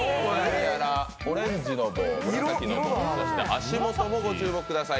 オレンジの棒、紫の棒、足元もご注目ください